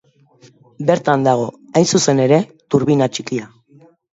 Bertan dago, hain zuzen ere, turbina txikia.